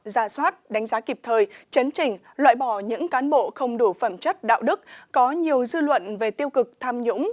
ra soát đánh giá kịp thời chấn trình loại bỏ những cán bộ không đủ phẩm chất đạo đức có nhiều dư luận về tiêu cực tham nhũng